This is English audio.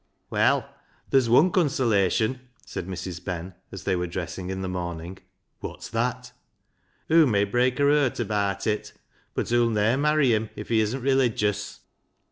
" Well, ther's wun consolation," said Mrs. Ben, as they were dressing in the morning. "Wot's that?" " Hoo may breik her hert abaat it, bud hoo'll ne'er merry him if he isn't religious."